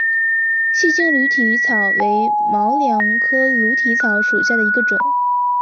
细茎驴蹄草为毛茛科驴蹄草属下的一个种。